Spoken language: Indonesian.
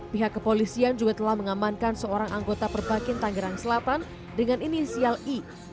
pihak kepolisian juga telah mengamankan seorang anggota perbakin tangerang selatan dengan inisial i